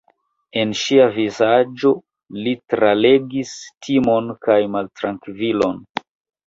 En ŝia vizaĝo li tralegis timon kaj maltrankvilon.